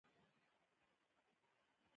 پر لاره کرار کرار ځه.